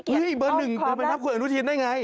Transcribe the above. เฮ้ยเบอร์หนึ่งเป็นหนักคุณอนุทินได้ไง